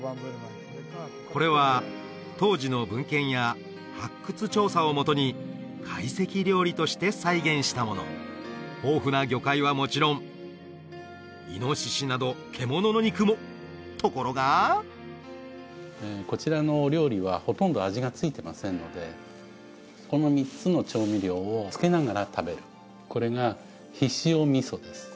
これは当時の文献や発掘調査をもとに懐石料理として再現したもの豊富な魚介はもちろん猪など獣の肉もところがこちらのお料理はほとんど味が付いてませんのでこの３つの調味料をつけながら食べるこれが醤味噌です